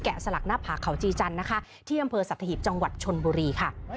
สลักหน้าผาเขาจีจันทร์นะคะที่อำเภอสัตหิบจังหวัดชนบุรีค่ะ